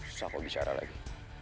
susah kok bicara lagi